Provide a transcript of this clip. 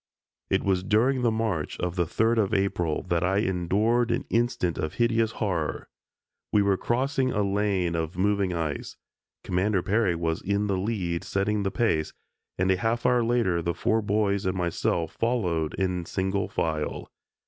It was during the march of the 3d of April that I endured an instant of hideous horror. We were crossing a lane of moving ice. Commander Peary was in the lead setting the pace, and a half hour later the four boys and myself followed in single file.